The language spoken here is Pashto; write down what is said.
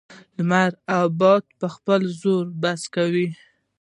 لمر او باد په خپل زور بحث کاوه.